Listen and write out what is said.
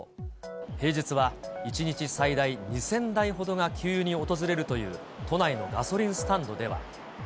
平日は１日最大２０００台ほどが給油に訪れるという都内のガソリンスタンドでは。